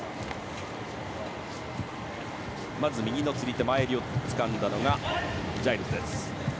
まず右手の釣り手前襟をつかんだのがジャイルズ。